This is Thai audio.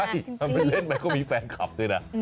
ทำเป็นเล่นไปก็มีแฟนคลับด้วยนะ